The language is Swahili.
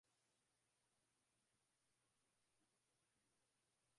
Lisemwalo lipo, ikiwa halipo laja